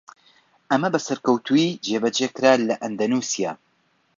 ئەمە بە سەرکەوتوویی جێبەجێکرا لە ئەندەنوسیا.